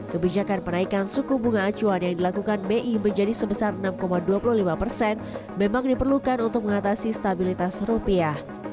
kebijakan penaikan suku bunga acuan yang dilakukan bi menjadi sebesar enam dua puluh lima persen memang diperlukan untuk mengatasi stabilitas rupiah